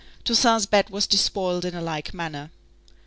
Toussaint's bed was despoiled in like manner.